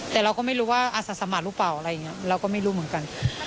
แต่เราก็ไม่รู้ว่าอาสาสมัครหรือเปล่าอะไรอย่างนี้เราก็ไม่รู้เหมือนกัน